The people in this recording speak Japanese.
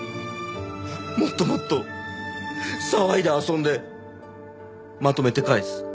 もっともっと騒いで遊んでまとめて返す。